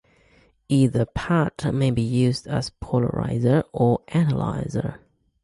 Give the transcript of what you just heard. Either part may be used as polarizer or analyzer.